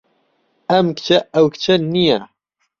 ئەم کچە ئەو کچە نییە.